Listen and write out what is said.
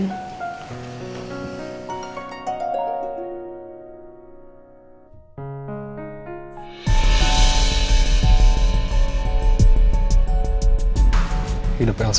sampai jumpa di video selanjutnya